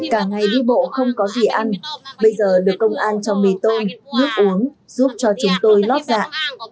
cả ngày đi bộ không có gì ăn bây giờ được công an cho mì tôm nước uống giúp cho chúng tôi lót dạ